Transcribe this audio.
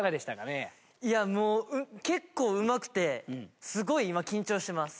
いやもう結構うまくてすごい今緊張してます。